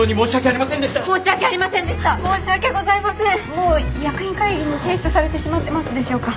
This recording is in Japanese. もう役員会議に提出されてしまってますでしょうか？